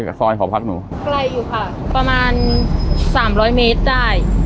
กับซอยหอพักหนูไกลอยู่ค่ะประมาณสามร้อยเมตรได้